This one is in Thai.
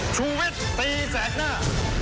ชุวิตตีแสดหน้า